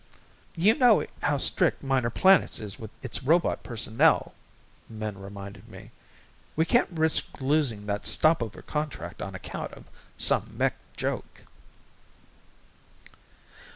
"You know how strict Minor Planets is with its robot personnel," Min reminded me. "We can't risk losing that stopover contract on account of some mech joke."